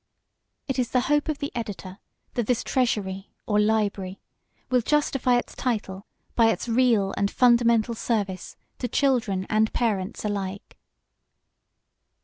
It is the hope of the Editor that this "Treasury" or "Library" will justify its title by its real and fundamental service to children and parents alike.